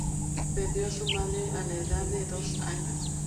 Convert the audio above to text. Perdió a su madre a la edad de dos años.